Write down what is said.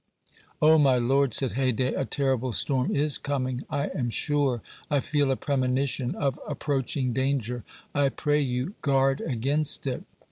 "Oh! my lord," said Haydée, "a terrible storm is coming, I am sure; I feel a premonition Of approaching danger. I pray you, guard against it."